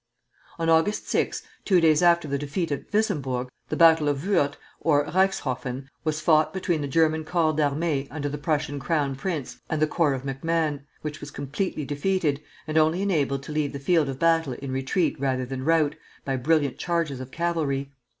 On August 6, two days after the defeat at Wissembourg, the battle of Wörth, or Reichshofen, was fought between the German corps d'armée under the Prussian Crown Prince and the corps of MacMahon, which was completely defeated, and only enabled to leave the field of battle in retreat rather than rout, by brilliant charges of cavalry.